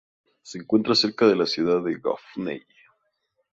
Se encuentra cerca de la ciudad de Gaffney.